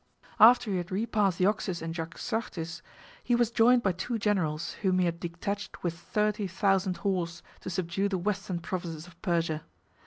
After he had repassed the Oxus and Jaxartes, he was joined by two generals, whom he had detached with thirty thousand horse, to subdue the western provinces of Persia.